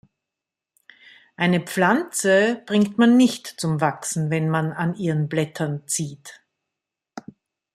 Eine Pflanze bringt man nicht zum Wachsen, wenn man an ihren Blättern zieht!